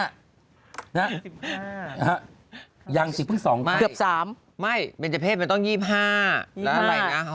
๑๕ครับยัง๑๒ครับไม่เบรจเภสมันต้อง๒๕แล้วอะไรนะ